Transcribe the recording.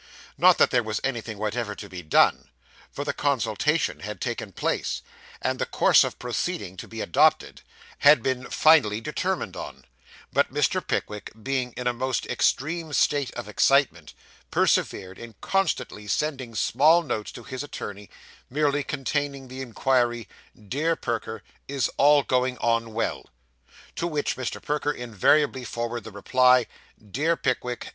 Not that there was anything whatever to be done, for the consultation had taken place, and the course of proceeding to be adopted, had been finally determined on; but Mr. Pickwick being in a most extreme state of excitement, persevered in constantly sending small notes to his attorney, merely containing the inquiry, 'Dear Perker. Is all going on well?' to which Mr. Perker invariably forwarded the reply, 'Dear Pickwick.